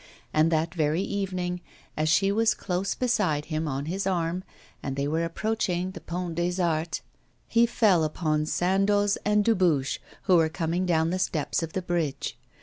And that very evening, as she was close beside him on his arm, and they were approaching the Pont des Arts, he fell upon Sandoz and Dubuche, who were coming down the steps of the bridge.